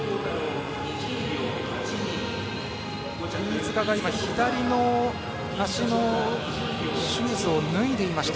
飯塚が左足のシューズを脱いでいました。